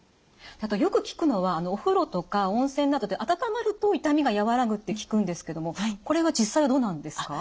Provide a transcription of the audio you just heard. あとよく聞くのはお風呂とか温泉などで温まると痛みが和らぐって聞くんですけどもこれは実際はどうなんですか？